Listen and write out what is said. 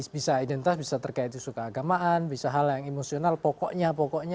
bisa identitas bisa terkait dengan sifat agama bisa hal yang emosional pokoknya pokoknya